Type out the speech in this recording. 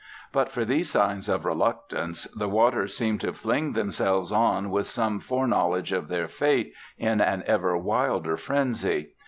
But for these signs of reluctance, the waters seem to fling themselves on with some foreknowledge of their fate, in an ever wilder frenzy.